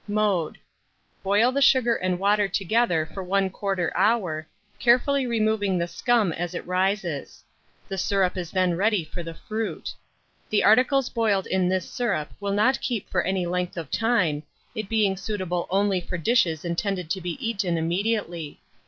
Mode. Boil the sugar and water together for 1/4 hour, carefully removing the scum as it rises: the syrup is then ready for the fruit. The articles boiled in this syrup will not keep for any length of time, it being suitable only for dishes intended to be eaten immediately.